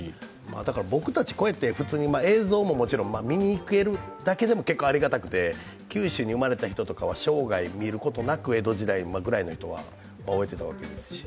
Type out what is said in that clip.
だから僕たちこうやって映像はもちろん結構ありがたくて、九州に生まれた人とかは生涯見ることなく江戸時代ぐらいの人は、終えてたわけですし。